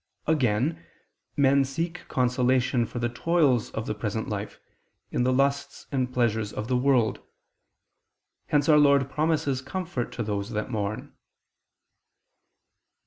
Again, men seek consolation for the toils of the present life, in the lusts and pleasures of the world. Hence Our Lord promises comfort to those that mourn.